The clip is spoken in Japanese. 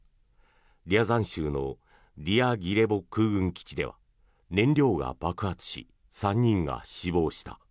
リャザン州のディアギレボ空軍基地では燃料が爆発し、３人が死亡した。